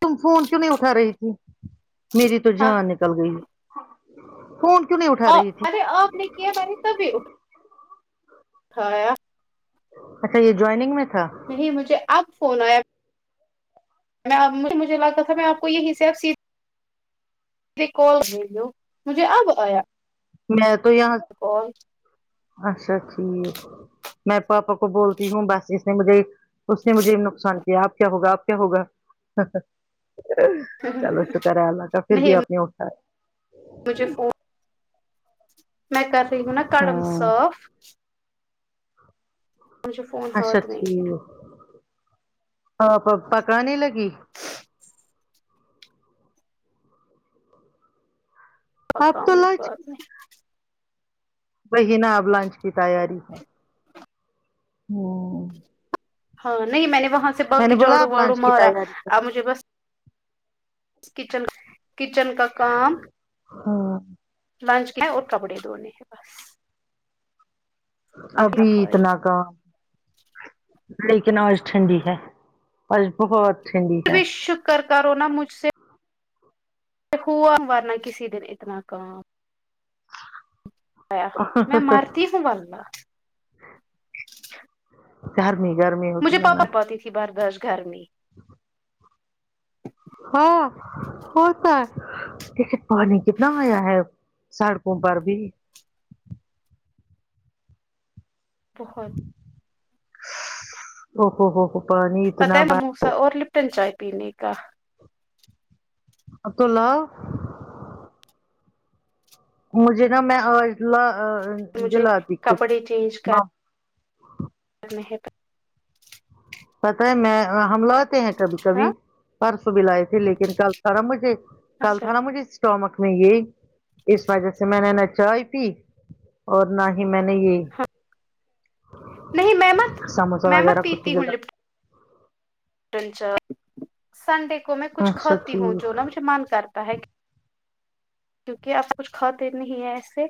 تم فون کیوں نہیں اٹھا رہی تھی میری تو ہاں جان نکل گئی فون کیوں نہیں وٹو ا ارے آپ نے کیا مہی نے تبھی اٹھایا اچھا یہ جوائنگ میں تھا نہیں مجھے اب فون آیا میں مجھے لگا تھا میں آپ کو یہیں سے اب سھ کال گئی ہو مجھے اب آیا میں تو یہاں کال اچھا ٹھیک میں پاپا کو بولتی ہوں بس اس نے مجھے اس نے مجھے نقصان کیا آپ کیا ہوگا آپ کیا ہوگا چلو شکر اللہ کا پھر بھی نہیں آپ نے اٹھایا مجھے فون میں کر رہی ہو نا کڑم ہاں صاف مجھے فون اچھا ہاتھ نہیں ہے ٹھیک آپ اب پکانے لگی آپ پکاؤ تو کی لنچ بات میں وہی نا اب لانچ کی تیاری ہے ا ہوں ہاں نہیں میں نے وہاں سے میں نے باقی بولا جڑو آپ بڑو لنچ کی مارا تیاری آ مجھے بس کچن کچن کا کام ہاں لنچ کے اور کپڑے دونے ہیں بس ابھی صفائی اتنا کام لیکن آج ٹھنڈی ہے فرج بھی بہت ٹھنڈی ہے کر کر روناا مجھ سے ہوا مارنا کسی دن اتنا کام پیا میں مرتی ہوں ورنہ گرمی گرمی ہوتی مجھے ہے نا پاپا پاتی تھی بردش گھر میں ہاں ہوتا ہے لیکن پانی کتنا نیا ہے سڑکوں پر بھی بہت او ہوو ہو ہو پانی پتہ اتنا ہے بار مموسا اور لپٹن چائے پینے کا اب تو لاؤ مجھے نا میں آج مجھے دلاتی خود کپڑے [unintelligible] میں پتہ ہے میں ہم لاتے ہیں کبھی ہاں کبھی پرس بھی لائے تھے لیکن کل سارا مجھے کل اچھا تھا نا مجھے اسٹامک نہیں یہئی اس وجہ سے میں نے نا چائے پی اور نہ ہی میں نے یہ نہیں میں مت سموسا میں وغیرہ مت کچھ بھی لا ک [unintelligible] سنڈے کو میں کچھ اچھا کھاتی ہوں ٹھیک جو نا مجھے مان کرتا ہے کیکہ آپ کچھ کھاتے نہیں ہیں ایسے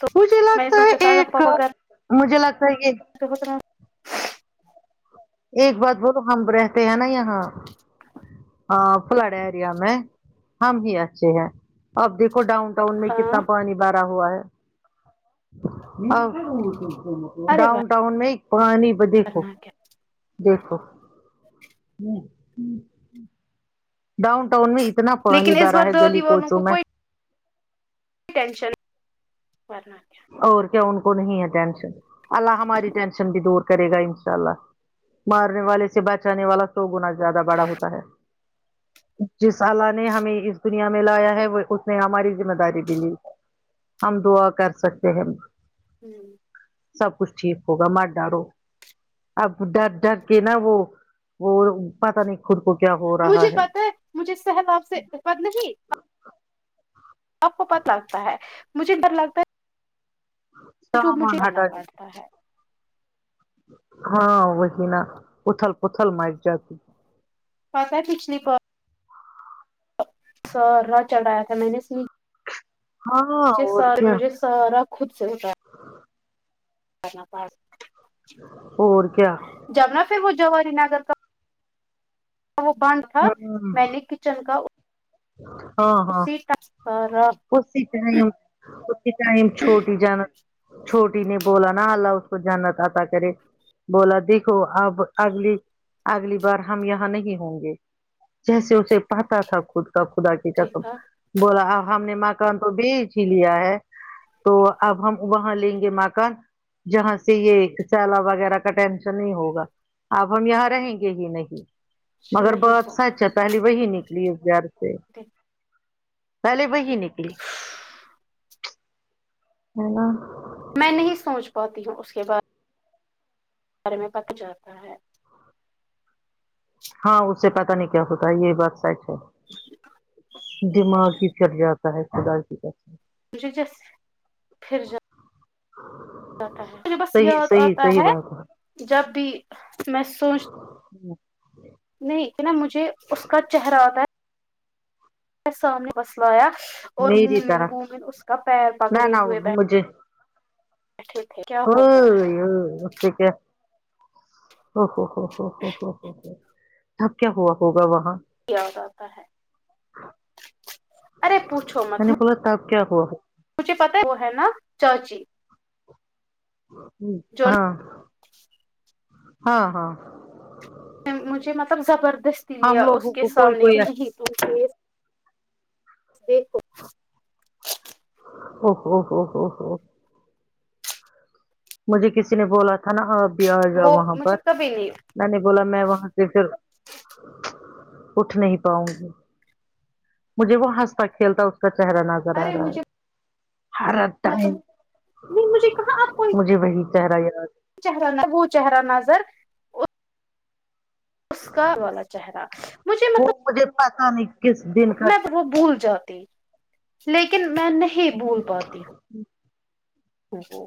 تو مجھے میں یہ لگتا ہے سوچا تھا ا ایک پاپا گھر مجھے لگتا ہے یہ ہوتنا ایک بات بولو ہم رہتے ہیں نا یہاں ہاں پلاڑا ایریا میں ہم ہی اچھے ہیں اب دیکھو ڈاؤن ان میں کتنا ہاں پانی بھرا ہوا ہے ارے ڈاؤن بھائی ٹاؤن میں ایک پانی دیکھو کرنا کیا دیکھو ہ ہ ڈاؤن ٹؤن میں اتنا پانی لیکن اس بھرا بار ہے گلی دادی والوں کوچوں کو میں کوئی ٹینشن کرنا کیا اور کیا ان کو نہیں ہے ٹینشن اللہ ہماری ٹینشن بھی دور کرے گا انشاء اللہ مارنے والے سے بچانے والا سو گنا زیادہ بڑا ہوتا ہے جس اللہ نے ہمیں اس دنیا میں لایا ہے وہ اس نے ہماری ذمہ داری بھی لی ہم دعا کر سکتے ہیں ہوں سب کچھ ٹھیک ہوگا مت ڈرو اب ڈر ڈر کے نا وہ وہ پتہ نہیں خود کو کیا ہوا مجھے پتا ہے مجھے سہلاب سے پتا نہیں آپ کو پتا لگتا ہے مجھے ڈر لگتا ہے جو سامان مجھے آنا ہٹا دیں پڑتا ہے ہاں وہی نا اتل پتھل مٹ جاتی پتا ہے پچھلی بار سرا چڑھ رہایا تھا میں نے سنی ہاں اور سر کیا مجھے سارا خود سے ہوتا کرنا پاس اور کیا جبناا پھر وہ جواری نگر کا وہ باند تھا ہوں میں نے کچن کا ہاں ہاں اسی ٹائم اسی ٹائم اسی ٹائم چھوٹی جانا چھوٹی نے بولا نا الله آپکو جنت عطا کر یں بولا دیکھو اب اگلی اگلی بار ہم یہاں نہیں ہوں گے جیسے اسے پتا تھا خود کا خدا کی قسم دیکھا بولا ا ہاں ہم نے مکان تو بیچ ہی لیا ہے تو اب ہم وہاں لیں گے مکان جہاں سے یہ سیلاب وغیرہ کا ٹینشن نہیں ہوگا آپ ہم یہاں رہیں گے ہی نہیں نہیں ہو اچھا پہلے وہی نکلی اس گھر سے پہلے وہی نکلی ہے نا میں نہیں سوچ پاتی ہوں اس کے بعد گھر میں پک جاتا ہے ہاں اس سے پتا نہیں کیا ہوتا ہے یہ بات سچ دماغ ہی چٹ جاتا ہے خدا کی قسم مجھے جس پھر جو تا ہے مجھے بس صحیح یاد صحیح آتا صحیح ہے بات جب بھی میں سوچ نہیں نا مجھے اس کا چہرہ اتا ہے سامنے بسلایا اور منہ میری من طرح منہ اس کا پیر نہ پگڑے نہ ہوئے بیٹھے ٹھیک ہے اوہو اوہو اسی کیا اوہو ہو ہو اب کیا ہوا ہوگا وہاں کیا جاتا ہے ارے پوچھو مت میں نے نا بولا تب کیا ہوا مجھے پتہ ہے وہ ہے نا چاچی جو ہاں ہاں ہاں مجھے مطلب زبردستی لیا ہم اس لوگوں کے کو کوئی سامنے کہ کوئی نہیں دیکھو [unintelligible] ہو ہو ہو ہو ہو مجھے کسی نے بولا تھا نا آپ بھی آ جاؤ وہ وہاں پر مجھے کبھی نہیں میں نے بولا میں وہاں سے پھر اٹھ نہیں پاؤں گی مجھے وہ ہنستا کھیلتا اس کا چہرہ نظر آ ارے رہا ہے مجھے حرت ٹم مطلب نہیں مجھے کہاں آپ کو مجھے وہی چہرہ یادہے چہرہ نہ وہ چہرہ نظر اسکار والا چہرہ مجھے مطلب پتہ نہیں کس دن کا میں وہ بھول جاتی لیکن میں نہیں بھول پاتی ہوں ہو ہو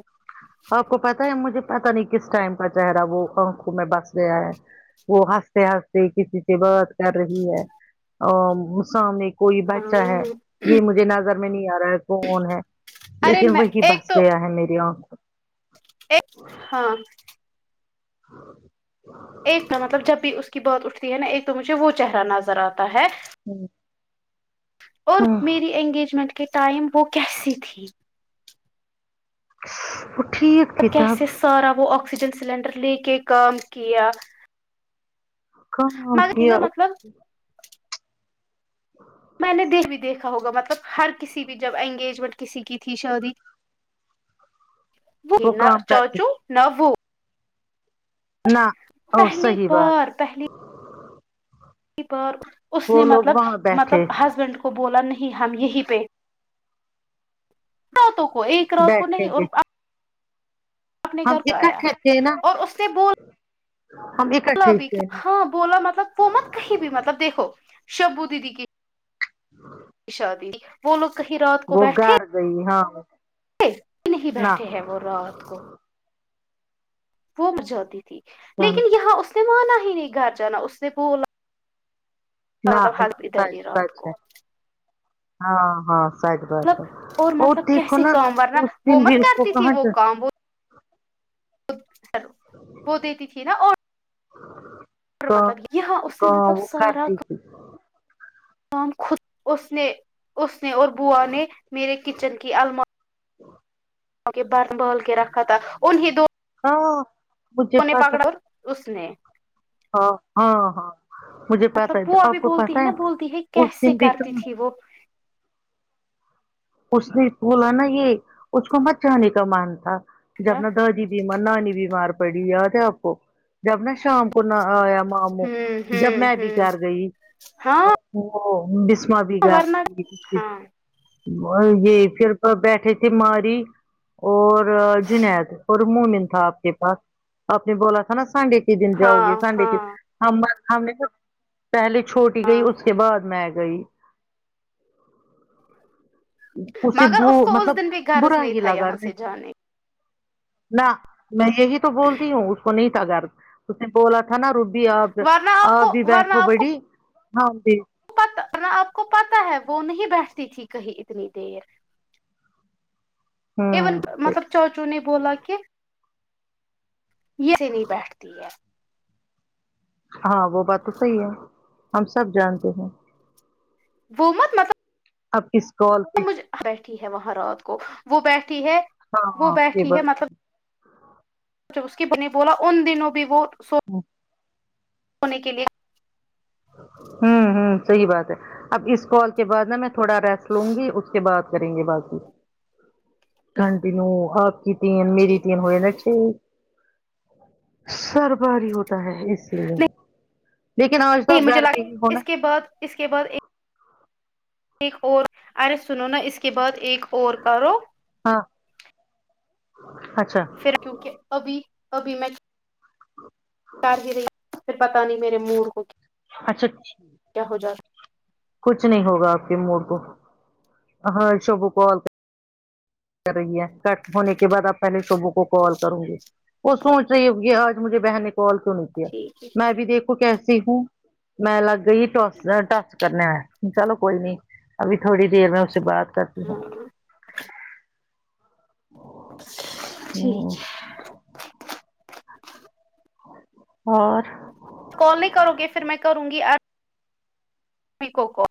آپ کو پتا ہے مجھے پتا نہیں کس ٹائم کا چہرہ وہ آنکھوں میں بس گیا ہے وہ ہنستے ہنستے کسی سے بات کر رہی ہے اوہ سامنے کوئی بچہ ہے ہاں یہ مجھے نظر میں نہیں آ رہا ہے کون ہے ارے لیکن میں وہی ایک بس گیا ہے میری آنکھوں ایک ہاں ایک مطلب جب بھی اس کی بات اٹھتی ہے نا ایک تو مجھے وہ چہرہ نظر آتا ہے اور میری انگیجمنٹ کے ٹائم وہ کیسی تھی وہ ٹھیک تھی کیسے تب سارا وہ آکسیجن سلینڈر لے کے کام کیا کم نام مگر کیا نا ؤ مطلب میں نے دن بھی دیکھا ہوگا مطلب ہر کسی بھی جب انگیجمنٹ کسی کی تھی شادی وہی وہ نا کام کرتی چاچو نا وہ نہ او پہلی صحیح بات بار پہلی پہلی بار اس نے وہ لوگ مطلب وہاں مطلب بیٹھے ہسبینڈ کو بولا نہیں ہم یہیں پہ با توں کو ایک رات کو بیٹھیں نہیں اور گے آپ اپنے ہم گر کو آیا اکٹھے تھے نا اور اس نے بول ہم بولا اکٹھے بھی تھے نا ہاں بولا مطلب کوومت کہیں بھی مطلب دیکھو شبو دیدی کی شا دی وہ لوگ کہیں رات کو وہ بیٹھے گھر گئی ہاں نہیں نہ بیٹھے ہیں وہ رات کو وہ مر جاتی تھی لیکن یہاں اس نے مانا ہی نہیں گھر جانا اس نے بولا نہ مطلب حال ادھر سچ رات سچ کو ہے ہاں ہاں سچ بات ہے مطلب اور مطلب ٹھیک کیسے ہونا کام ورنہ اس دن وہ بھی مت اس کو کرتی تھی کہاں وہ کام وہ وہ دیتی تھی نا اور کہ مطلب یہاں اس نے کہ مطلب وہ سارا کرتی تھی خود اس نے اس نے اور بوا نے میرے کچن کی المار بر بل کے رکھا تھا انھیں دو ہاں مجھے کونے پتا پکڑا ا ور اس نے ہاں ہاں ہاں مجھے پتہ مطلب ہے وہ ابھی آپ کو پتہ بولتی ہے نا بولتی اس کیسے دن بھی کہ کرتی تھی وہ اس نے بولا نا یہ اس کو مت جانے کا مان تھا جب کیا نا دادی یہ منانی بیمار پڑی ہوئی ہے یاد ہے آپ کو جب نہ شام کو نہ آیا ماموں ہوں جب ہوں میں بھی ہوں گھر گئی ہاں وہ ا بسمہ بی گھر ورنہ [unintelligible] ہاں اور یہ پھرتو بیٹھی تھی ماری اور جنید اور مومن تھا آپ کے پاس آپ نے بولا تھا نا سنڈے ک دن جاؤ گے ہاں سنڈے کی ہاں ہم ہم نے پہلے چھوٹی گئی ہاں اس کے بعد میں گئی اسے مگر بو اس کو اس مطلب دن بھی غرض برا نہیں ہی تھا لگا یہاں نئ سے جانے نہ میں یہی تو بولتی ہوں اس کو نہیں گر اس نے بولا تھا نا روبی آپ ورنہ آپ کو بھی ورنہ بیٹھو بڑی ہاں جی ہاں آپ کو پتہ ہے وہ نہیں بیٹھتی تھی کہیں اتنی دیر ایون ہوں مطلب چاچو نے بولا کہ یہ نیچے نہیں بیٹھتی ہے ہاں وہ بات تو صحیح ہے ہم سب جانتے ہیں وہ مت مطلب اب کس کال پہ مجھے بیٹھی ہے و ہاں رات کو وہ بیٹھی ہے ہاں وہ ہاں یہ بیٹھی ہے بات ہے مطلب اس کی مہی نے بولا ان دنوں بھی وہ سو ہ ہونے کے لیے ہوں ہوں صحیح بات ہے اب اس کال کے بعد نا میں تھوڑا ریسٹ لوں گی اس کے بعد کریں گے باقی کنٹینیو آپ کی تین میری ٹھیک تین ہے ہوئے نا چھ سر باری ہو کہے اس لیے لیکن آج تو ج آپ مجھے گھر لگ پہ ہی ہو نا اس کے بعد اس کے بعد ایک ایک اور ارے سنو نا اس کے بعد ایک اور کرو ہاں اچھا پھر کیونکہ ابھی ابھی میں کر ہی رہی پھر بتانی میرے موور کو کیا اچھا تھ ہو جاتا کچھ نہیں ہوگا آپ کے موڈ کو ہاں ای شوب کال کر رہی ہے کٹ ہونے کے بعد آپ پہلے شعبوں کو کال کروں گے وہ سوچ رہی ہو آج مجھے بہن نے کال کیوں نہیں کیا ٹھیک ہے میں بھی دیکھ کیسی ہوں میں لگ گئی ٹس ٹس کرنے چلو کوئی نہیں ابھی تھوڑی دیر میں اس سے بات کرتی ہوں ہاں ٹھیک ہ اور کال نہیں کرو گے پھر میں کروں گی کو کال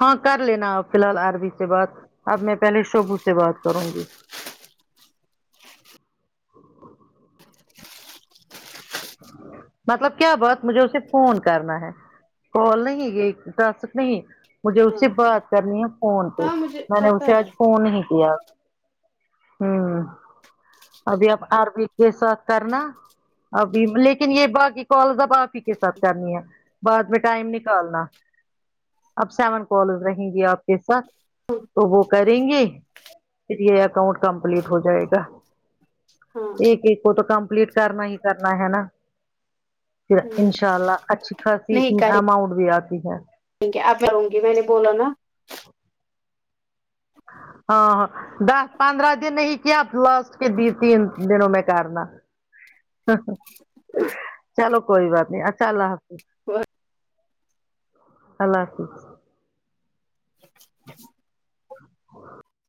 ہاں کر لینا آپ فی الحال عربی سے بات اب میں پہلے شبو سے بات کروں گی مطلب کیا بات مجھے اسے فون کرنا ہے کال نہیں یہ ٹاسک نہیں مجھے اس ہاں سے ہاں بات کرنی ہے فون پہ ہاں مجھے میں نے پتا اسے ہے آج فون نہیں کیا ہوں ابھی اب آر بھی کے ساتھ کرنا ابھی لیکن یہ باقی کالز اب آپ ہی کے ساتھ کرنی ہے بعد میں ٹائم نکالنا اب سیون کالز رہیں گی آپ کے ساتھ تو وہ کریں گے پھر یہ اکاؤنٹ کمپلیٹ ہو جائے گا ہاں ایک ایک کو تو کمپلیٹ کرنا ہی کرنا ہے نا پھر انشاء اللہ اچھی خاصی اماؤنٹ بھی آتی ہے ٹھیک ہے اب کروں گی میں نے بولا نا ہاں ہاں دس پندرہ دن ہی کیاب لاسٹ دی تین دنوں میں کرنا چلو کوئی بات نہیں اچھا اللہ حافظ وہ اللہ حافظ اور